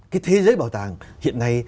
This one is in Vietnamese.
cái thế giới bảo tàng hiện nay